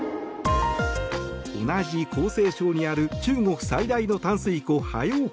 同じ江西省にある中国最大の淡水湖、ハヨウ